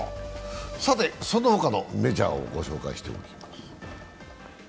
その他のメジャーをご紹介していきます。